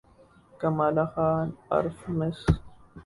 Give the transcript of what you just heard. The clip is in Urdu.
کمالہ خان عرف مس